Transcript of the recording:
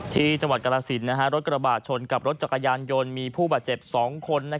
ที่จังหวัดกรสินรถกระบาดชนกับรถจักรยานยนต์มีผู้บาดเจ็บ๒คน